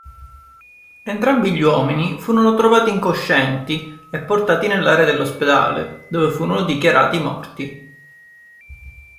Entrambi gli uomini furono trovati incoscienti e portati nell'area dell'ospedale, dove furono dichiarati morti.